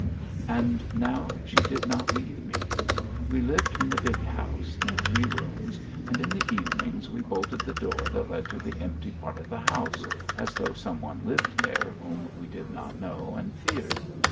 And now she did not leave me. We lived in the big house, in three rooms, and in the evenings we bolted the door that led to the empty part of the house, as though some one lived there whom we did not know and feared.